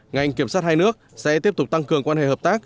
ngành kiểm sát hai nước sẽ tiếp tục tăng cường quan hệ hợp tác